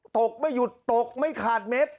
ไม่หยุดตกไม่ขาดเม็ด